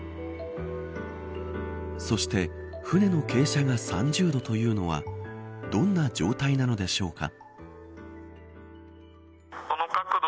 そして、船の傾斜が３０度というのはどんな状態なのでしょうか。